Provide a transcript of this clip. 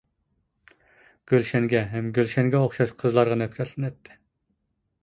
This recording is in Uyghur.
گۈلشەنگە ھەم گۈلشەنگە ئوخشاش قىزلارغا نەپرەتلىنەتتى.